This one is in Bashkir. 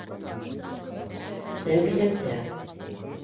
Сәңгелдәктә...